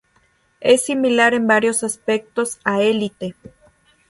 Es similar en varios aspectos a "Élite".